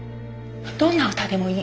どんな歌でもいい。